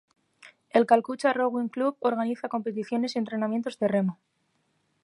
El Calcutta Rowing Club organiza competiciones y entrenamientos de remo.